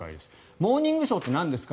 「モーニングショー」ってなんですか？